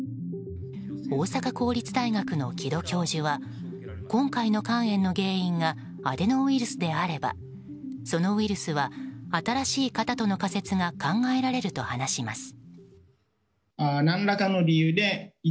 大阪公立大学の城戸教授は今回の肝炎の原因がアデノウイルスであればそのウイルスは新しい型との仮説が考えられると話します。